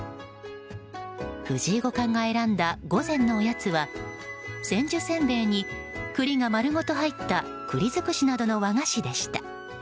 藤井五冠が選んだ午前のおやつは千寿せんべいに栗が丸ごと入った栗尽などの和菓子でした。